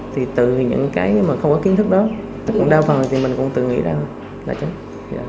thì từ những cái mà không có kiến thức đó tất cả đa phần thì mình cũng tự nghĩ ra thôi